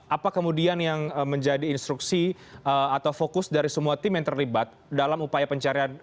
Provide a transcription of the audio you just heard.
apa kemudian yang menjadi instruksi atau fokus dari semua tim yang terlibat dalam upaya pencarian